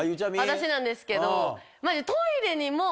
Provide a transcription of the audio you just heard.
私なんですけど。